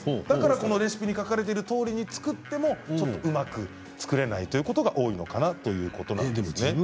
だからこのレシピに書かれているとおりに作ってもちょっとうまく作れないということが多いかなっていうことなんですね。